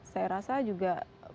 saya rasa juga